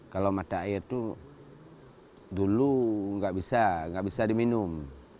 kalau mata air itu dulu nggak bisa nggak bisa diminum